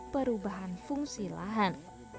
perubahan fungsi lahan